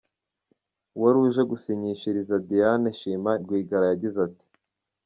Uwari uje gusinyishiriza Diane Shima Rwigara yagize ati :